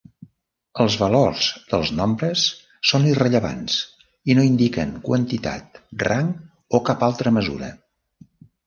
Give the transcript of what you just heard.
Els valors dels nombres són irrellevants, i no indiquen quantitat, rang o cap altra mesura.